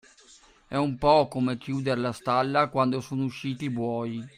È un po' come chiuder la stalla, quando sono usciti i buoi.